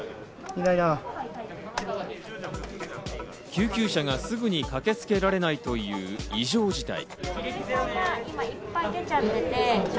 救急車がすぐに駆けつけられないという異常事態。